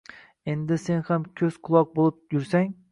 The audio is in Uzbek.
Endi sen ham ko‘z-quloq bo‘lib jursang